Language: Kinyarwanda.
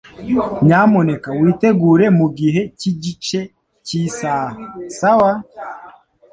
Nyamuneka witegure mugihe cyigice cyisaha, sawa?